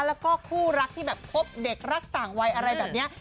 แล้วก็คู่รักที่แบบพบเด็กรักต่างวัยอะไรแบบนี้